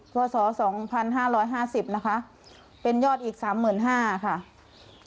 พศ๒๕๕๐เป็นยอดอีก๓๕๐๐๐บาท